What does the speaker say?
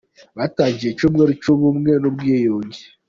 Batangije icyumweru cy’Ubumwe n’Ubwiyunge